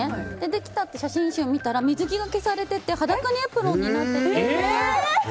できた写真集を見たら水着が消されてて裸にエプロンになってて。